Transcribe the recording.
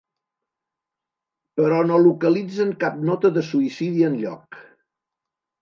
Però no localitzen cap nota de suïcidi enlloc.